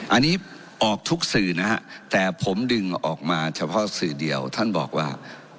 อันนี้ออกทุกสื่อนะฮะแต่ผมดึงออกมาเฉพาะสื่อเดียวท่านบอกว่า